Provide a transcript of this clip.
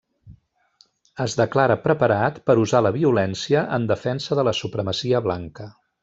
Es declara preparat per usar la violència en defensa de la supremacia blanca.